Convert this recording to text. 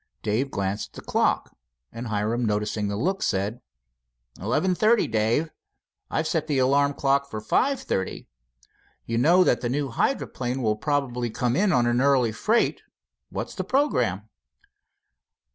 Dave glanced at the clock, and Hiram noticing the look, said: "Eleven thirty, Dave. I've set the alarm clock for five thirty. You know that new hydroplane will probably come in on an early freight. What's the programme?"